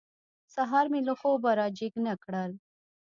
سهار مې له خوبه را جېګ نه کړل.